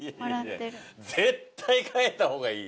絶対変えた方がいい。